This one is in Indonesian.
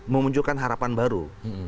memunculkan harapan baru